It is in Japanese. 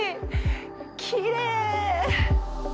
きれい。